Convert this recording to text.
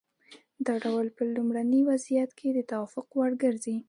دا اصول په لومړني وضعیت کې د توافق وړ ګرځي.